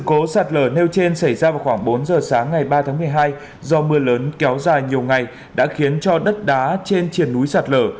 cố sạt lở nêu trên xảy ra vào khoảng bốn giờ sáng ngày ba tháng một mươi hai do mưa lớn kéo dài nhiều ngày đã khiến cho đất đá trên triển núi sạt lở